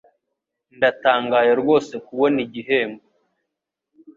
Ndatangaye rwose kubona igihembo.